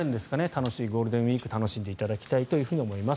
楽しいゴールデンウィークを楽しんでいただきたいと思います。